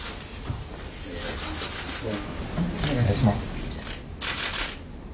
お願いします。